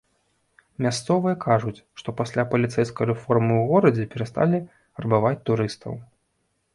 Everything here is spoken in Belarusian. Мясцовыя кажуць, што пасля паліцэйскай рэформы ў горадзе перасталі рабаваць турыстаў.